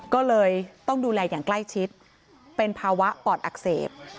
ก็เลยต้องดูแลอย่างใกล้ชิดเป็นภาวะปอดอักเสบ